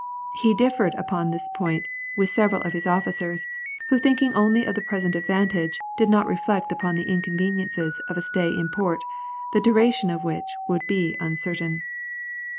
He differed upon this point with several of his officers, who thinking only of the present advantage, did not reflect upon the inconveniences of a stay in port, the duration of which would be uncertain.